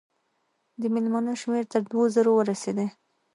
د مېلمنو شمېر تر دوو زرو ورسېدی.